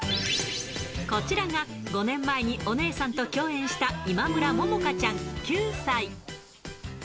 こちらが、５年前にお姉さんと共演した今村ももかちゃん９歳。